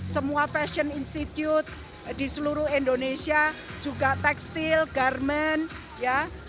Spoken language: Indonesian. semua fashion institute di seluruh indonesia juga tekstil garment